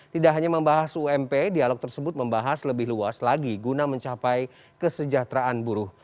tidak hanya membahas ump dialog tersebut membahas lebih luas lagi guna mencapai kesejahteraan buruh